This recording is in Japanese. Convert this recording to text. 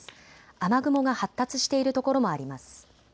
雨雲が発達している所もあります。